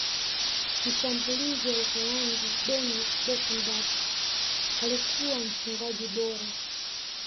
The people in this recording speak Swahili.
mshambulizi wa uholanzi dennis berkgamp alikuwa mfungaji bora